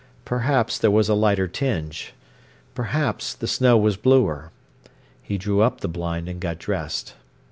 Perhaps there was a lighter tinge. Perhaps the snow was bluer. He drew up the blind and got dressed.